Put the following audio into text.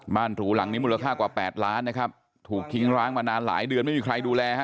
หรูหลังนี้มูลค่ากว่า๘ล้านนะครับถูกทิ้งร้างมานานหลายเดือนไม่มีใครดูแลฮะ